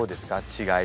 違い。